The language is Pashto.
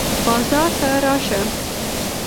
بازار ته راشه.